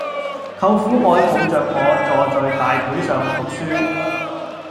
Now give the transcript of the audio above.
舅父愛抱着我坐在大腿上讀書